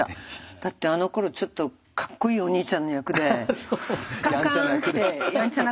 だってあのころちょっとかっこいいおにいちゃんの役でカンカンってやんちゃなカンカンって。